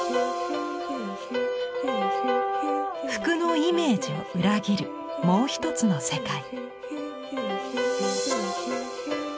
服のイメージを裏切るもう一つの世界。